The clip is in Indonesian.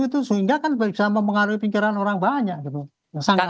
itu sehingga kan bisa mempengaruhi pikiran orang banyak gitu